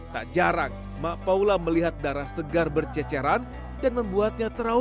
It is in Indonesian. tak jarang mak paula melihat darah segar berceceran dan membuatnya terlalu